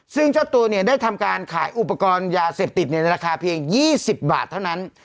ซึ่งเจ้าตัวเนี่ยได้ทำการขายอุปกรณ์ยาเสพติดในราคาเพียง๒๐บาทเท่านั้น